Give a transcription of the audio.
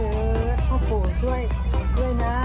โอ้โหช่วยด้วยนะ